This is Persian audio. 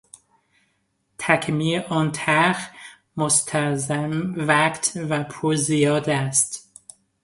تکمیل آن طرح مستلزم وقت و پول زیاد است.